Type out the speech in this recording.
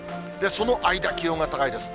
その間、気温が高いです。